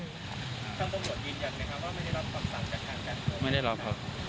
ท่านประโยชน์ยินยันไหมครับว่าไม่ได้รับความสั่งจากใคร